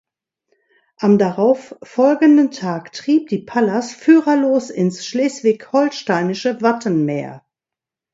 Am darauffolgenden Tag trieb die "Pallas" führerlos ins schleswig-holsteinische Wattenmeer.